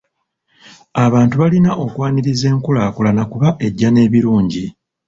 Abantu balina okwaniriza enkulaakulana kuba ejja n'ebirungi.